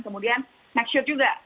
kemudian make sure juga